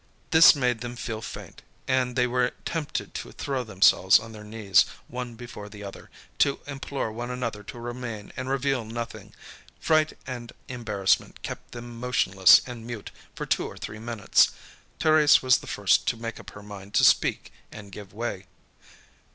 This made them feel faint, and they were tempted to throw themselves on their knees, one before the other, to implore one another to remain, and reveal nothing. Fright and embarrassment kept them motionless and mute for two or three minutes. Thérèse was the first to make up her mind to speak and give way.